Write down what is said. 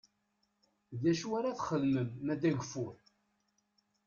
D acu ara txedmem ma d ageffur?